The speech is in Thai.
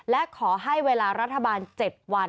และขอให้เวลารัฐบาล๗วัน